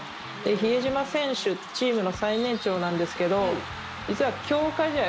比江島選手チームの最年長なんですけど実は強化試合